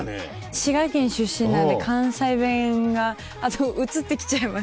滋賀県出身なんで関西弁がうつってきちゃいます。